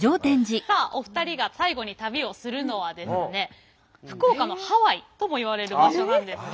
さあお二人が最後に旅をするのはですね福岡のハワイともいわれる場所なんですが。